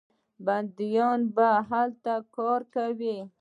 بندیانو به هلته کار کاوه.